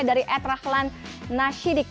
dari at rahlan nasidik